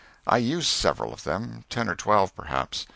I used several of them ten or twelve, perhaps.